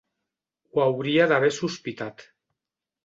Ho hauria d'haver sospitat.